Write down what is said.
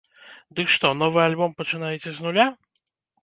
Дык што, новы альбом пачынаецца з нуля?